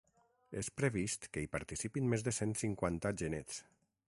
És previst que hi participin més de cent cinquanta genets.